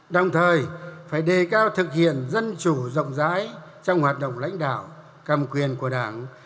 đồng thời phải đề cao thực hiện dân chủ rộng rãi trong hoạt động lãnh đạo cầm quyền của đảng